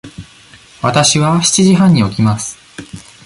わたしは七時半に起きます。